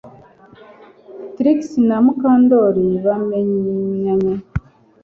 Trix na Mukandoli bamenyanye